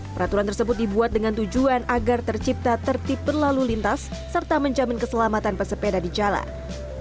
peraturan tersebut dibuat dengan tujuan agar tercipta tertib berlalu lintas serta menjamin keselamatan pesepeda di jalan